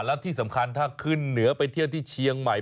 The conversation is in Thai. แล้วที่สำคัญถ้าขึ้นเหนือไปเที่ยวที่เชียงใหม่